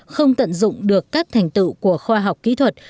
không tận dụng được các thành tựu của khoa học kỹ thuật